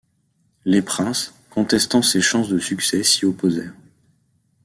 Les princes, contestant ses chances de succès, s'y opposèrent.